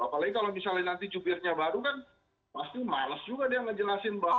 apalagi kalau misalnya nanti jubirnya baru kan pasti males juga dia ngejelasin bahwa